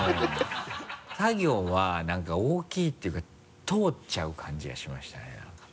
サ行はなんか大きいっていうか通っちゃう感じがしましたねなんか。